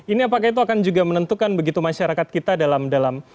ini apakah itu akan juga menentukan begitu masyarakat kita dalam dalam